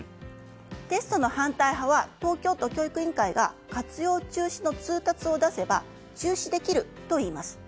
テストの反対派は東京都教育委員会が活用中止の通達を出せば中止できるといいます。